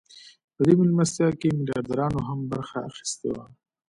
په دې مېلمستیا کې میلیاردرانو هم برخه اخیستې وه